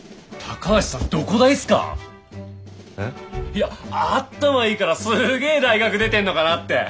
いやあったまいいからすげえ大学出てんのかなって。